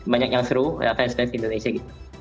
banyak yang seru fans fans indonesia gitu